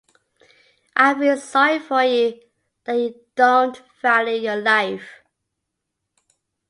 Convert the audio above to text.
I feel sorry for you that you don't value your life.